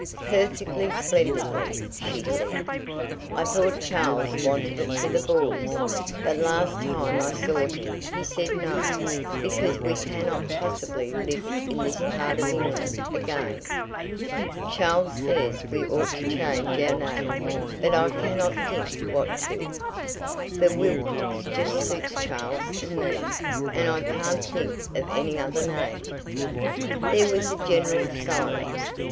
"Perfectly splendidly," she said. "I thought Charles wanted it for the boys, but last time I saw him he said no, because we cannot possibly live in this part of England again. Charles says we ought to change our name, but I cannot think what to, for Wilcox just suits Charles and me, and I can't think of any other name." There was a general silence.